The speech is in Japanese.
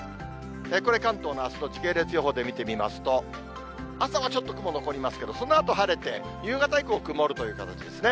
これ、関東のあすの時系列予報で見てみますと、朝はちょっと雲残りますけれども、そのあと晴れて、夕方以降、曇るという形ですね。